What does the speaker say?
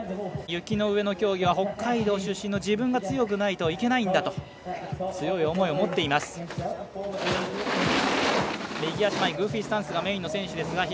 雪の上の競技は北海道出身の自分が強くないといけないんだと強い思いを持っています。